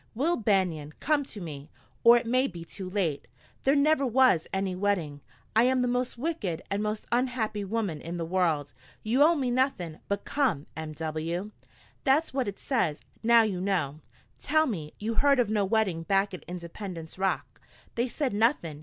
"'Will Banion, come to me, or it may be too late. There never was any wedding. I am the most wicked and most unhappy woman in the world. You owe me nothing! But come! M.W.' "That's what it says. Now you know. Tell me you heard of no wedding back at Independence Rock? They said nothing?